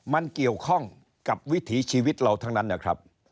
มันเกี่ยวข้องกับวิถีชีวิตเราทั้งนั้นนะครับ